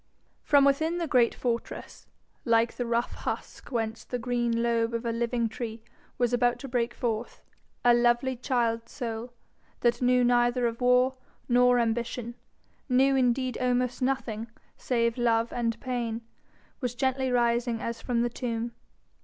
From within the great fortress, like the rough husk whence the green lobe of a living tree was about to break forth, a lovely child soul, that knew neither of war nor ambition, knew indeed almost nothing save love and pain, was gently rising as from the tomb.